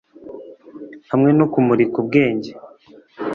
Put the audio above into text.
Hamwe no kumurika ubwenge